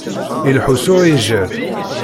Ileḥḥu s uɛijel.